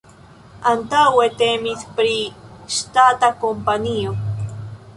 Antaŭe temis pri ŝtata kompanio.